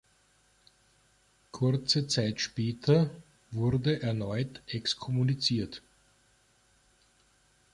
Kurze Zeit später wurde erneut exkommuniziert.